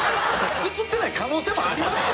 映ってない可能性もありますから。